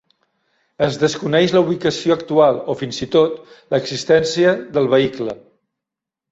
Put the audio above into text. Es desconeix la ubicació actual, o fins i tot l'existència, del vehicle.